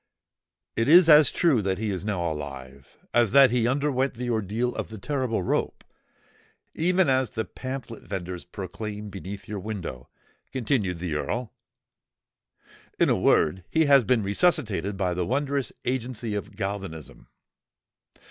"It is as true that he is now alive as that he underwent the ordeal of the terrible rope, even as the pamphlet venders proclaimed beneath your window," continued the Earl. "In a word, he has been resuscitated by the wondrous agency of galvanism."